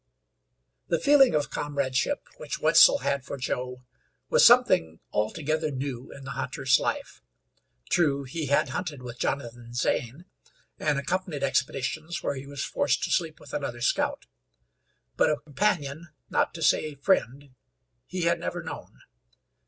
The feeling of comradeship which Wetzel had for Joe was something altogether new in the hunter's life. True he had hunted with Jonathan Zane, and accompanied expeditions where he was forced to sleep with another scout; but a companion, not to say friend, he had never known.